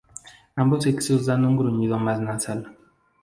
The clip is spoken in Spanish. Ambos sexos dan un gruñido más nasal.